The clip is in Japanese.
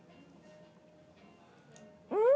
うん！